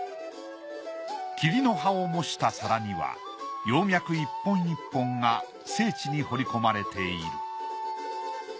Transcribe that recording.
桐の葉を模した皿には葉脈一本一本が精緻に彫り込まれている。